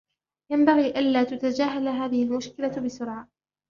ينبغي ألا تُتَجاهل هذه المشكلة بسرعة.